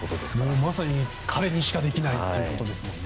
まさに彼にしかできないことですよね。